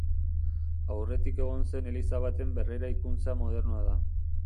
Aurretik egon zen eliza baten berreraikuntza modernoa da.